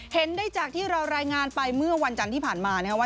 เห็นได้จากที่เรารายงานไปเมื่อวันจันทร์ที่ผ่านมานะครับว่า